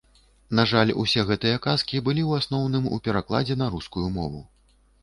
На жаль, усе гэтыя казкі былі, у асноўным, у перакладзе на рускую мову.